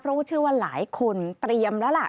เพราะว่าเชื่อว่าหลายคนเตรียมแล้วล่ะ